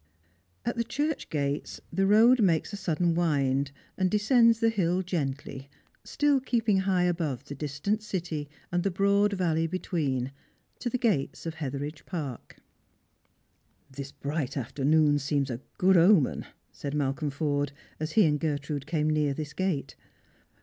At the church gates the road makes a sudden wind, and descends the liill gently, still 884 Strangers and Pilgrims. keeping high above the distant city and the broad valley between, to the gates of Hetheridge Park. " This bright afternoon seems a good omen," said Malcolm Porde, as he and Gertrude came near this gate.